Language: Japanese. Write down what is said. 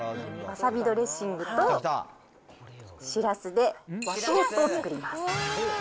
わさびドレッシングとしらすで和トーストを作ります。